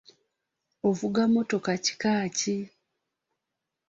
Ovuga mmotoka kika ki?